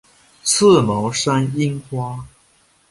刺毛山樱花